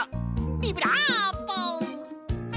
ビブラーボ！